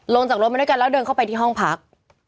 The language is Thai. ลงจากรถมาด้วยกันแล้วเดินเข้าไปที่ห้องพัก